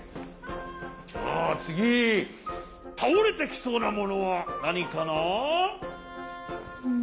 じゃあつぎたおれてきそうなものはなにかな？